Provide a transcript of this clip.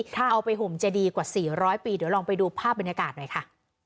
เอาไปห่มเจดีกว่า๔๐๐ปีเดี๋ยวลองไปดูภาพบรรยากาศหน่อยค่ะ